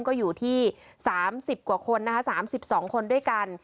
ก็อยู่ที่๓๐กว่าคนนะคะ๓๒คนด้วยกัน